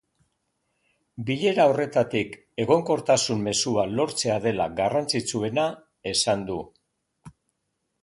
Bilera horretatik egonkortasun mezua lortzea dela garrantzitsuena esan du.